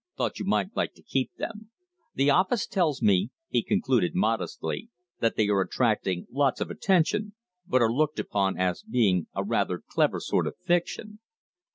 Thought you might like to keep them. The office tells me," he concluded modestly, "that they are attracting lots of attention, but are looked upon as being a rather clever sort of fiction."